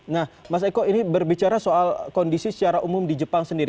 nah mas eko ini berbicara soal kondisi secara umum di jepang sendiri